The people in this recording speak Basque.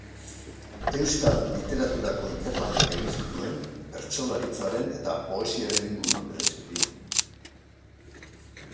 Euskal literaturako ikerlanak egin zituen, bertsolaritzaren eta poesiaren inguruan bereziki.